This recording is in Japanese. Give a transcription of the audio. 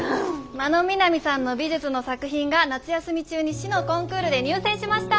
真野みなみさんの美術の作品が夏休み中に市のコンクールで入選しました！